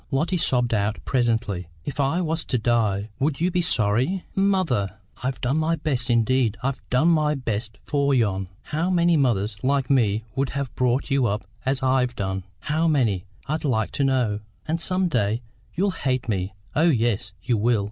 Lotty sobbed out presently. "If I was to die, would you be sorry?" "Mother!" "I've done my best, indeed I've done my best for yon! How many mothers like me would have brought you up as I've done? How many, I'd like to know? And some day you'll hate me; oh yes, you will!